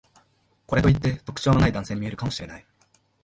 これといって特徴のない男性に見えるかもしれない